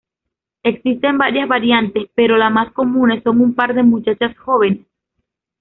Existen varias variantes, pero las más comunes son un par de muchachas jóvenes.